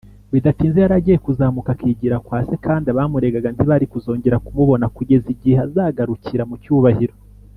bidatinze yari agiye kuzamuka akigira kwa se, kandi abamuregaga ntibari kuzongera kumubona kugeza igihe azagarukira mu cyubahiro